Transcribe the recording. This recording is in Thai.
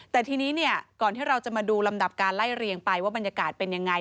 แต่ทีนี้เนี่ยก่อนที่เราจะมาดูลำดับการไล่เรียงไปว่าบรรยากาศเป็นยังไง